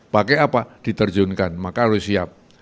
pakai apa diterjunkan maka harus siap